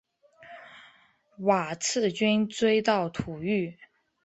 瓦剌军追到土域。